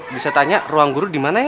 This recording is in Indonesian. bisa tanya ruang guru dimana ya